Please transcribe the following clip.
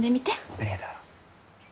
ありがとう。